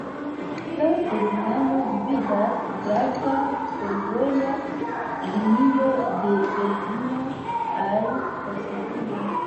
Tra Poznano gvidas grava fervoja linio de Berlino al Varsovio.